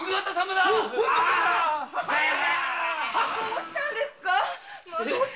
だァどうしたんですか？